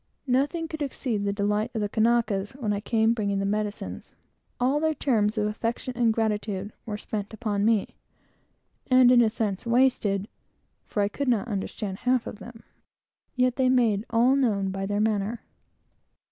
Nothing could exceed the delight of the Kanakas, when I came bringing the medicines. All their terms of affection and gratitude were spent upon me, and in a sense wasted, (for I could not understand half of them,) yet they made all known by their manner.